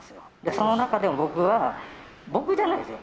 その中でも、僕じゃないですよ。